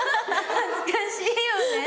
恥ずかしいよね。